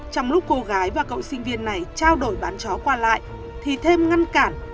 trong lúc cô gái và cậu sinh viên này trao đổi bán chó qua lại thì thêm ngăn cản